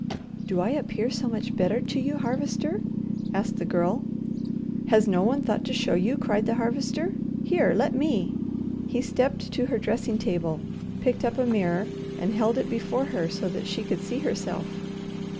"Do I appear so much better to you, Harvester?" asked the Girl. "Has no one thought to show you," cried the Harvester. "Here, let me!" He stepped to her dressing table, picked up a mirror, and held it before her so that she could see herself.